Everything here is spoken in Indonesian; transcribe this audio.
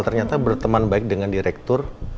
ternyata berteman baik dengan direktur